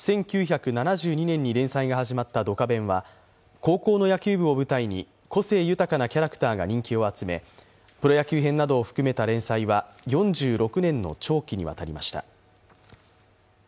１９７２年に連載が始まった「ドカベン」は高校の野球部を舞台に個性豊かなキャラクターが人気を集めプロ野球編などを含めた連載は４６年の長期にわたりました。